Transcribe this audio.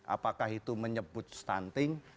apakah itu menyebut stunting